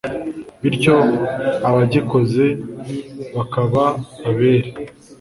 bityo abagikoze bakaba abere